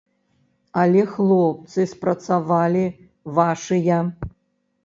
Але хлопцы спрацавалі вашыя.